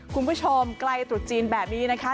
คุณผู้ชมใกล้ตรุษจีนแบบนี้นะคะ